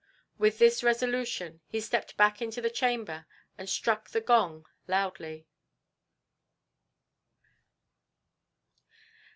With this resolution he stepped back into the chamber and struck the gong loudly.